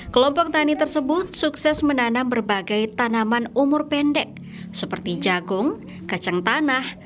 kelompok tani tersebut sukses menanam berbagai tanaman umur pendek seperti jagung kacang tanah